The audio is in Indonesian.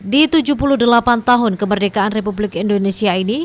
di tujuh puluh delapan tahun kemerdekaan republik indonesia ini